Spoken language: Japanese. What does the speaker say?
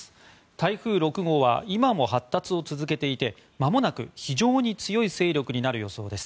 台風６号は今も発達を続けていてまもなく非常に強い勢力になる予想です。